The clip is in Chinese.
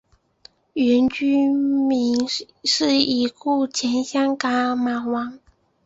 原居民是已故前香港马王。